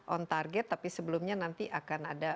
on target tapi sebelumnya nanti akan ada